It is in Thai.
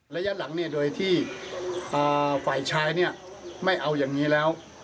ระยะหลังโดยที่ฝ่ายชายไม่เอาอย่างนี้แล้ว